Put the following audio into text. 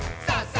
さあ！